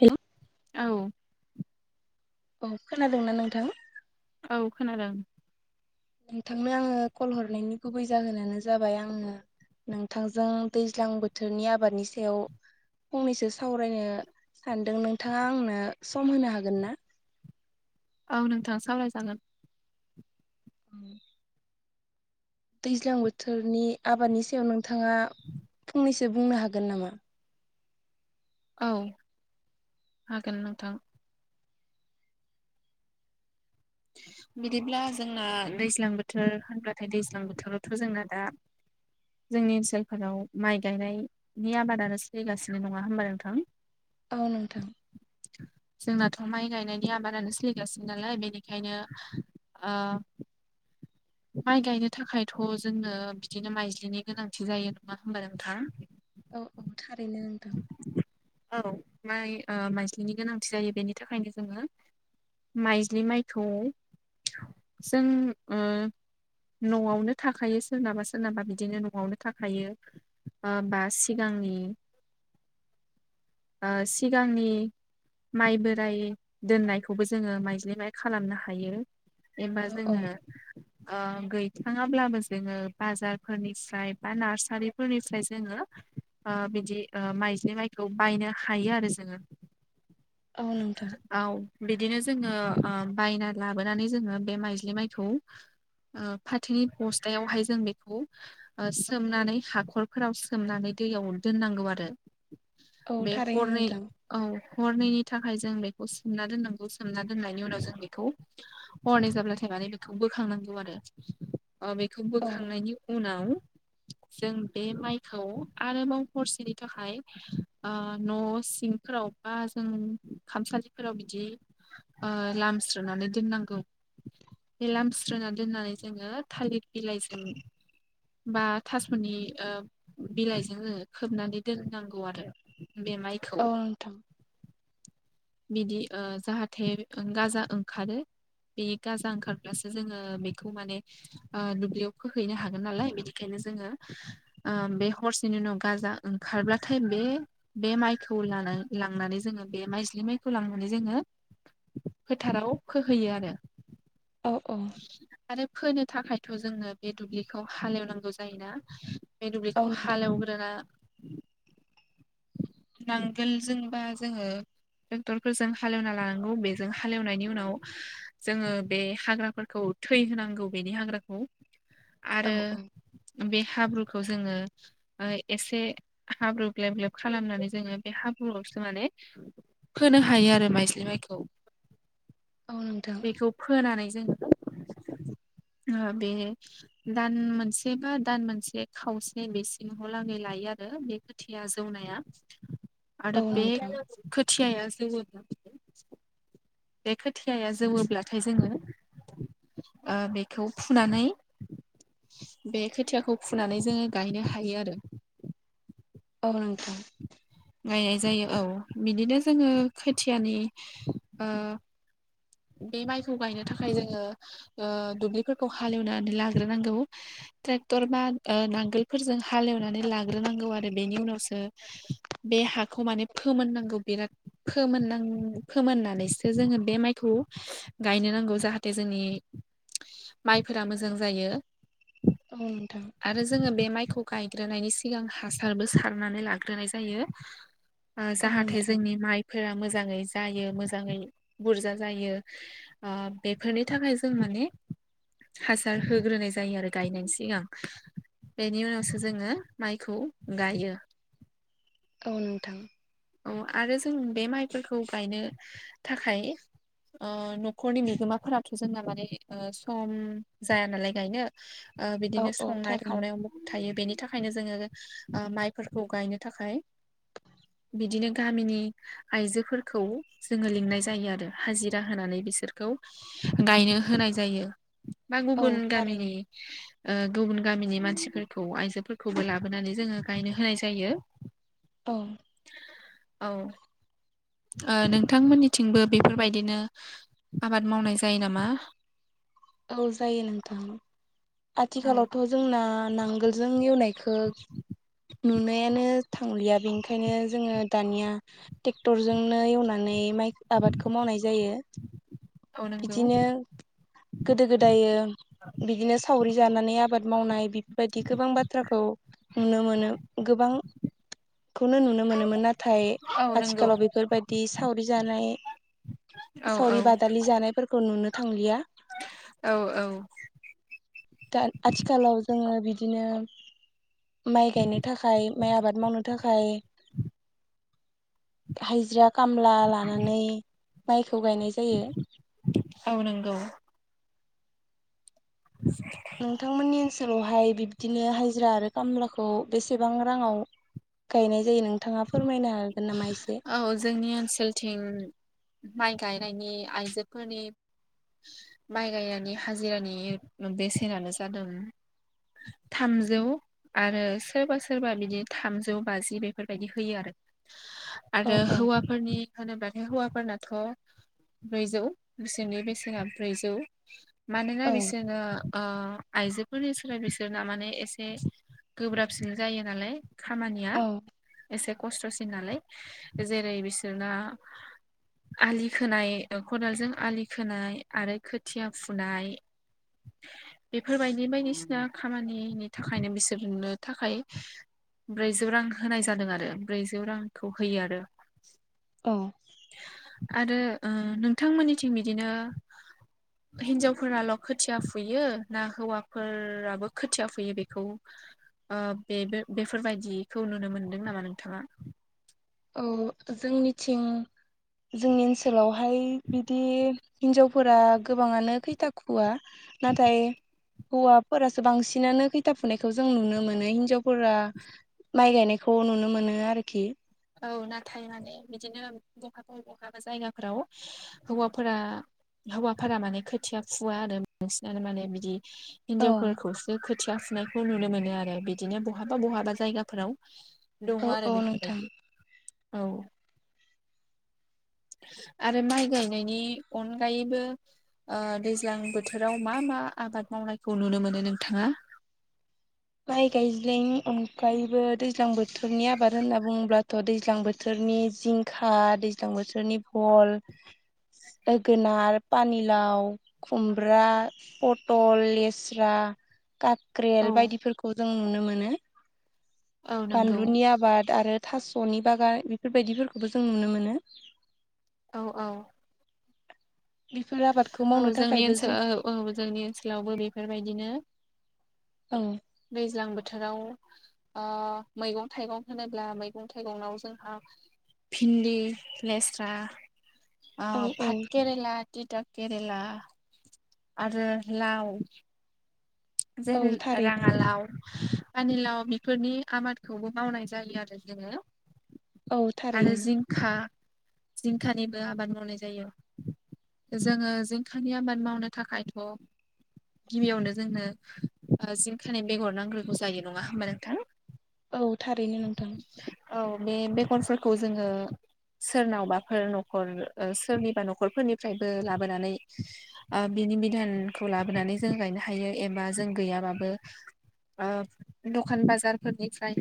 हेल। औ। औ खोनादोंना नोंथां? औ खोनादों। नोंथांनो आङो कल हरनायनि गुबै जाहोनानो जाबाय आङो नोंथांजों दैज्लां बोथोरनि आबादनि सायाव फंनैसो सावरायनो सानदों नोंथाङा आंनो सम होनो हागोन ना? औ नोंथाङा सावरायजागोन। [inaudible] दैज्लां बोथोरनि आबादनि सायाव नोंथाङा फंनैसो बुंनो हागोन नामा? औ हागोन नोंथां। [inaudible] बिदिब्ला जोंना दैज्लां बोथोर होनब्लाथाय दैज्लां बोथोरावथ' जोंना दा जोंनि ओनसोलफोराव माइ गायनायनि आबादानो सोलिगासिनो नङा होमबा नोंथां? औ नोंथां। जोंनाथ' माइ गायनायनि आबादानो सोलिगासिनो नालाय बेनि खायनो ओ माइ गायनो थाखायथ' जोंनो बिदिनो माइज्लिनि गोनांथि जायो नङा होमबा नोंथां? औ औ थारैनो नोंथां। औ माइ ओ माइज्लिनि गोनांथि जायो बेनि थाखायनो जोङो माइज्लि माइखौ जों ओ न'आवनो थाखायो सोरनाबा सोरनाबा बिदिनो न'आवनो थाखायो। बा बा सिगांनि [inaudible] ओ सिगांनि माइ बोराय दोननायखौबो जोङो माइज्लि माइ खालामनो हायो। एबा औ जोङो औ ओ गैथाराब्लाबो जोङो बाजारफोरनिफ्राय बा नार्सारिफोरनिफ्राय जोङो ओ बिदि ओ माइजे माइखौ बायनो हायो आरो जोङो। औ नोंथां औ बिदिनो जोङो बायना लाबोनानै जोङो बे माइज्लि माइखौ ओ फाथोनि बस्थायावहाय जों बेखौ सोमनानै हाखरफोराव सोमनानै दैयाव दोननांगौ आरो औ बे थारैनो हरनै नोंथां औ हरनैनि थाखाय जों बेखौ सोमना दोननांगौ सोमना दोननायनि उनाव जों बेखौ हरनै जाब्लाथाय माने बेखौ बोखांनांगौ आरो बेखौ औ बोखांनायनि उनाव जों बे माइखौ आरोबाव हरसेनि थाखाय ओ न' सिंफोराव बा जों खामसालिफोराव बिदि ओ लामस्रोनानै दोननांगौ। [inaudible] बेलामस्रोनानै दोननानै जोङो थालिर बिलाइजों बा थास'नि बिलाइजों खोबनानै दोननांगौ आरो बे माइखौ औ नोंथां बिदि ओ जाहाथे गाजा ओंखारो। बे गाजा ओंखारब्लासो जोङो बेखौ माने ओ दुब्लियाव फोहैनो हागोननालाय बिदिखायनो जोङो ओ बे हरसेनि उनाव गाजा ओंखारब्लाथाय बे बे माइखौ लांनानै जोङो बे माइज्लि माइखौ लांनानै जोङो फोथाराव फोहैयो आरो। औ औ आरो फोनो थाखायथ' जोङो बे दुब्लिखौ हाल एवनांगौ जायोना बे औ दुब्लिखौ हाल नोंथां एवग्रोना नांगोलजोंबा जोङो ट्रेक्टरफोरजों हाल एवना लानांगौ बेजों हाल एवनायनि उनाव जोङो बे हाग्राफोरखौ थैहोनांगौ बेनि हाग्राखौ। औ आरो बे हाब्रु जोङो एसे हाब्रु ग्लेब ग्लेब खालामनानै जोङो बे हाब्रुआवसो माने फोनो हायो आरो माइज्लि माइखौ औ नोंथां बेखौ फोनानै जों [inaudible] बे दान मोनसे बा दान मोनसे खावसे बेसिमहालागै लायो आरो। खोथिया जौनाया आरो औ बे नोंथां खोथियाया जोवोब्ला बे खोथियाया जौवोब्लाथाय जोङो ओ बेखौ फुनानै बे खोथियाखौ फुनानै जोङो गायनो हायो आरो। औ नोंथां [unintelligible] जायो औ बिदिनो जोङो खोथियानि बे माइखौ गायनो थाखाय जोङो दुब्लिफोरखौ हाल एवनानै लाग्रोनांगौ ट्रेक्टर बा नांगोलफोरजों हाल एवनानै लाग्रोनांगौ आरो। बेनि उनावसो बे हाखौ माने फोमोननांगौ बिराद फोमोननां फोमोननानैसो जोङो बे माइ खौ गायनो नांगौ जाहाथे जोंनि माइफोरा मोजां जायो। औ नोंथां आरो जोङो बे माइ गायग्रोनायनि सिगां हासारबो सारनानै लाग्रोनाय जायो। औ जाहाथे नोंथां जोंनि माइफोरा मोजाङै जायो मोजाङै बुरजा जायो बेफोरनि थाखाय जों माने हासार होग्रोनाय जायो आरो गायनायनि सिगां। बेनि उनावसो जोङो माइखौ गायो। औ नोंथां। औ आरो जों बे माइफोरखौ गायनो थाखाय न'खरनि बिगोमाफोराथ' जोंना माने सम जायानालाय गायनो औ बिदिनो औ संनाय थारैनो खावनायाव मुखुब थायो बेनि नि थाखायनो जोङो माइफोरखौ गायनो थाखाय बिदिनो गामिनि आइजोफोरखौ जोङो लिंनाय जायो आरो हाजिरा होनानै बिसोरखौ गायनो होनाय जायो। बा औ गुबुन गामिनि थारैनो गुबुन गामिनि मानसिफोरखौ आइजोफोरखौबो लाबोनानै जोङो गायनो होनाय जायो। औ औ नोंथांमोननिथिंबो बेफोरबायदिनो आबाद मावनाय जायो नामा? औ जायो नोंथां। औ आथिखालावथ' जोंना नांगोलजों एवनायखौ नुनायानो थांलिया, बेनिखायनो जोङो दानिया ट्रेक्टरजोंनो एवनानै नै माइ आबादखौ मावनाय जायो। औ नंगौ बिदिनो गोदो गोदायो बिदिनो सावरि जानानै आबाद मावनाय बेफोरबायदि गोबां बाथ्राखौ नुनो मोनो। गोबां खौनो नुनो मोनोमोन नाथाय औ नंगौ आथिखालाव बेफोरबायदि सावरि जानाय औ औ लि जानायफोरखौ नुनो थांलिया। औ औ दा आथिखालाव जोङो बिदि बिदिनो माइ गायनो थाखाय माइ आबाद मावनो थाखाय हायजिरा खामला लानानै माइखौ गायनाय जायो। औ नंगौ। नोंथांमोननि ओनसोलावहाय बिब्दिनो हाजिरा आरो खामलाखौ बेसेबां राङाव गायनाय जायो नोंथाङा फोरमायनो हा औ जोंनि ओनसोलथिं माइ गायनायनि आइजोफोरनि माइ गायनानै हाजिरानि बेसेनानो जादों थामजौ आरो सोरबा सोरबा बिदि थामजौ बाजि बेफोरबायदि होयो आरो। औ आरो औ हौवाफोरनि होनोब्लाथाय हौवाफोरना थ ब्रैजौ बिसोरनि बेसेना ब्रैजौ। मानोना औ बिसोरनो आइजोफोरनि सोलाय बिसोरना माने एसे गोब्राबसिन जायो नालाय खामानिया औ एसे खस्थ'सिन नालाय, जेरै बिसोरना आलि खोनाय खदालजों आलि खोनाय आरो खोथिया फुनाय बेफोरबायदि बायदिसिना खामानिनि थाखायनो बिसोरनो थाखाय ब्रैजौ रां होनाय जादों आरो ब्रैजौ रांखौ होयो आरो। औ आरो नोंथांमोननिथिं बिदिनो हिनजावफोराल' खोथिया फुयो ना हौवाफोराबो खोथिया फुयो बेखौ बेबो बेफोरबायदिखौ नुनो मोनदों नामा नोंथाङा? औ जोंनिथिं जोंनि ओनसोलावहाय बिदि हिन्जावफोरा गोबाङानो खैथा खुवा नाथाय हौवाफोरासो बांसिनानो खैथा फुनायखौ जों नुनो मोनो। हिनजावफोरा माइ गायनायखौ नुनो मोनो आरोखि। औ नाथाय माने बिदिनो बहाब बहाबा जायगाफोराव हौवाफोरा हौवाफोरा माने खोथिया फुवा आरो बांसिनानो माने बिदि औ हिनजावफोरखौसो खोथिया फ नायखौ नुनो मोनो आरो बिदिनो बहाबा बहाबा जायगाफोराव औ दङ आरो औ नोंथां बेफोरबायदि औ [inaudible] आरो माइ गायनायनि अनगायैबो ओ दैज्लां बोथोराव मा मा आबाद मावनायखौ नुनो मोनो नोंथाङा माय गायज्लिं ओमफ्रायबो दैज्लां बोथोरनि आबाद होनना बुङोब्लाथ' दैज्लां बोथोरनि जिंखा दैज्लां बोथोरनि भल ओगोनार पानिलाव खुमब्रा पटल लेस्रा काक्रेल औ बायदि जों नुनो मोनो औ नंगौ बानलुनि आबाद आरो थास'नि बागान बेफोरबायदिफोरखौबो जों नुनो मोनो। औ औ बेफोर आबादखौ मावनो औ जोंनि थाखायबो ओनसोल जों औ औ जोंनि ओनसोलावबो बेफोरबायदिनो। औ दैज्लां बोथोराव ओ मैगं थाइगं होनोब्ला मैगं थाइगङाव जोंहा भिन्दि, लेस्रा ओ औ औ भात केरेला, टिटा केरेला, आरो लाव। औ जेरै थारैनो राङालाव। पानिलाव बेफोरनि आबादखौबो मावनाय जायो आरो जोङो औ आरो थारैनो जिंखा जिंखानिबो आबाद मावनाय जायो। जोङो जिंखानि आबाद मावनो थाखायथ' गिबियावनो जोंनो जिंखानि बेगर नांग्रोगौ जायो नङा होमबा नोंथां? औ थारैनो नोंथां। औ बे बेगरफोरखौ जोङो सोरनावबाफोर न'खर सोरनिबा न'खरफोरनिफ्रायबो लाबोनानै ओ बि नि बिधानखौ लाबोनानै जों गायनो हायो एबा जों गैयाबाबो ओ दखान बाजारफोरनिफ्राय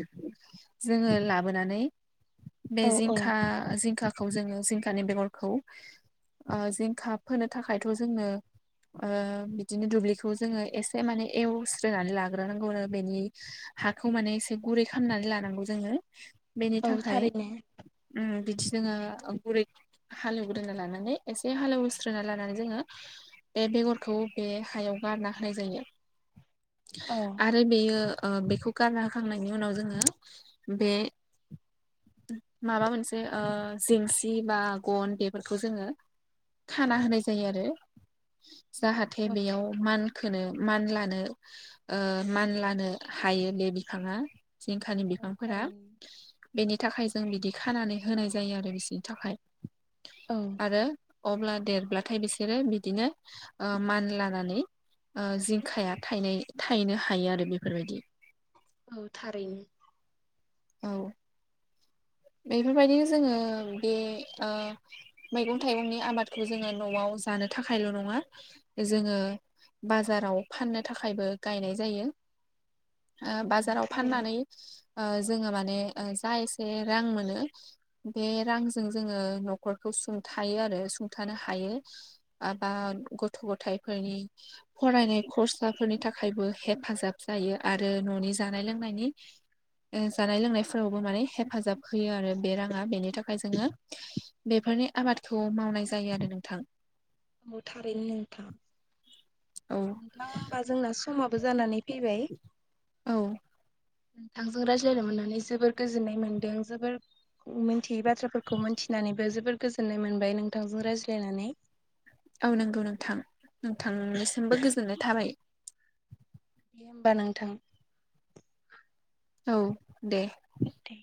जोङो लाबोनानै बे औ औ जिंखा जिंखा खौ जोङो जिंखानि बेगरखौ ओ जिंखा फोनो थाखायथ' जोंनो ओ बिदिनो दुब्लिखौ जोङो एसे माने एवस्रोननानै लाग्रोनांगौ आरो बेनि हाखौ माने एसे गुरै खालामनानै लानांगौ जोङो बेनि औ थाखाय थारैनो उम बिदि जोङो गुरै हालेवग्रोना लानानै एसे हालेवस्रोना लानानै जोङो बे बेगरखौ बे हायाव गारना होनाय जायो। [inaudible] आरो बेयो ओ बेखौ गारना होखांनायनि उनाव जों ङो बे माबा मोनसे ओ जेंसि बा गन बेफोरखौ जोङो खाना होनाय जायो आरो जाहाथे औ बेयाव मानखोनो मानलानो ओ मान लानो हायो बे बिफाङा जिंखानि बिफांफोरा थारैनो बेनि थाखाय जों बिदि खानानै होनाय जायो आरो बिसनि थाखाय औ आरो अब्ला देरब्लाथाय बिसोरो बिदिनो ओ मान लानानै ओ जिंखाया थ थायनो हायो आरो बेफोरबायदि औ थारैनो। औ बेफोरबायदिनो जोङो बे मैगं थाइगंनि आबादखौ जोङो न'आव। जानो थाखायल' नङा जोङो। बाजाराव फाननो थाखायबो गायनाय जायो। [inaudible] बाजाराव फाननानै थारैनो जोङो माने जा एसे। रां मोनो बे रांजों जोङो न'खरखौ सुंथायो आरो सुंथानो हायो। माबा गथ' गथायाइफोरनि फरायनाय खरसाफोरनि थाखायबो हेथ हेफाजाब जायो आरो न'नि जानाय लोंनायनि जानाय लोंनायफोरावबो माने हेफाजाब। होयो आरो बे राङा बेनि थाखाय जोङो बेफोरनि आबादखौ मावनाय जायो आरो नोंथां। औ थारैनो नोंथां। औ नोंथाङा होमबा जोंना समाबो जानानै फैबाय। औ नोंथांजों रायज्लायनो मोननानै जोबोर गोजोननाय मोन्दों जोबोर। मिथियै बाथ्राफोरखौ मोनथिनानैबो जोबोर गोजोननाय मोनबाय नोंथांजों रायज्लायनानै। औ नंगौ नोंथां नोंथांनिसिमबो गोजोननाय थाबाय। दे होमबा नोंथां। औ दे। दे